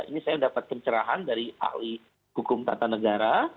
ini saya mendapat pencerahan dari ahli hukum tata negara